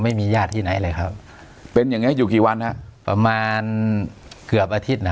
ไม่มีญาติที่ไหนเลยครับเป็นอย่างเงี้อยู่กี่วันฮะประมาณเกือบอาทิตย์น่ะ